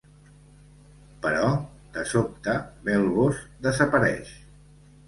Però, de sobte, Belboz desapareix.